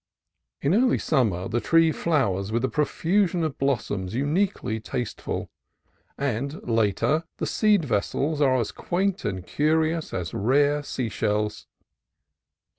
In early summer the tree flowers with a profusion of blossoms uniquely tasteful, and later, the seed vessels are as quaint and curious as rare sea shells.